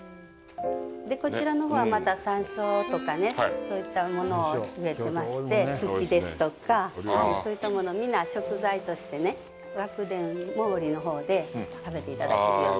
こちらのほうは、また山椒とかね、そういったものを植えてまして、フキですとか、そういったものを皆、食材としてね、ｗａｋｕｄｅｎＭＯＲＩのほうで食べていただけるように。